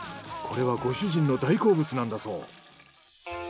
これはご主人の大好物なんだそう。